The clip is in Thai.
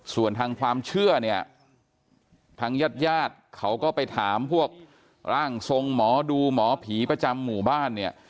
ส่วนทางความเชื่อเนี่ยทางญาติญาติเขาก็ไปถามพวกร่างทรงหมอดูหมอผีประจำหมู่บ้านเนี่ย